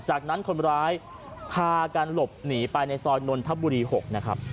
จากนั้นคนร้ายพากันหลบหนีไปในซอยนนทบุรี๖นะครับ